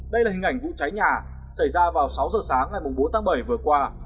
đây là hình ảnh vụ cháy nhà xảy ra vào sáu giờ sáng ngày bốn tháng bảy vừa qua